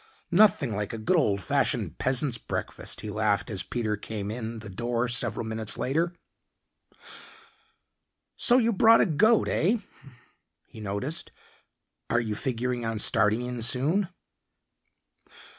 "Nothing like a good old fashioned peasant's breakfast," he laughed as Peter came in the door several minutes later. "So, you brought a goat, heh?" he noticed. "Are you figuring on starting in soon?"